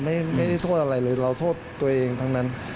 ไม่ได้โทษอะไรเลยเราโทษตัวเองทั้งนั้น